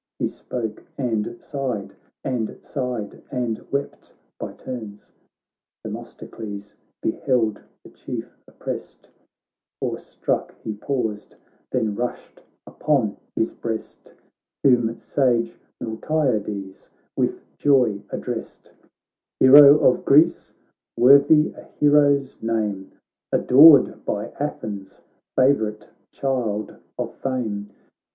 He spoke and sighed, and sighed and wept by turns. BOOK I Themistocles beheld the Chief opprest, Awe struck he paused, then rushed upon his breast, Whom sage Miltiades with joy addressed :' Hero of Greece, worthy a hero's name, Adored by Athens, fav'rite child of fame